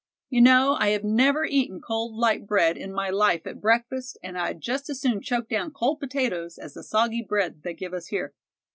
You know, I have never eaten cold light bread in my life at breakfast, and I'd just as soon choke down cold potatoes as the soggy bread they give us here.